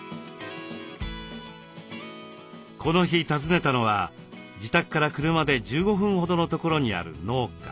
この日訪ねたのは自宅から車で１５分ほどのところにある農家。